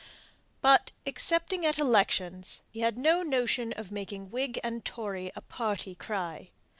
But, excepting at elections, he had no notion of making Whig and Tory a party cry.